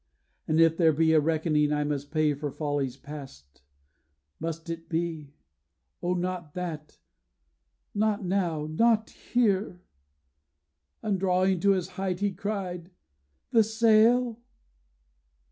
And if there be A reckoning I must pay for follies past, Must it be O not that, not now, not here!' And drawing to his height, he cried: 'The sail?